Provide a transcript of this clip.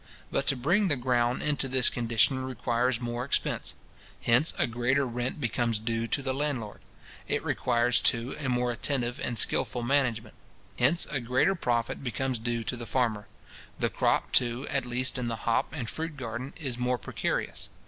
But to bring the ground into this condition requires more expense. Hence a greater rent becomes due to the landlord. It requires, too, a more attentive and skilful management. Hence a greater profit becomes due to the farmer. The crop, too, at least in the hop and fruit garden, is more precarious.